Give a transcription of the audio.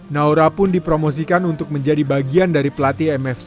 naura pun dipromosikan untuk menjadi bagian dari pelatih mfc